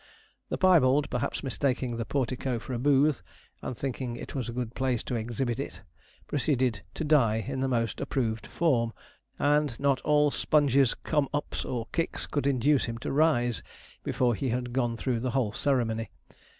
The piebald, perhaps mistaking the portico for a booth, and thinking it was a good place to exhibit it, proceeded to die in the most approved form; and not all Sponge's 'Come up's' or kicks could induce him to rise before he had gone through the whole ceremony.